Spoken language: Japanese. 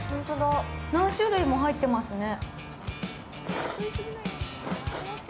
何種類も入ってますね。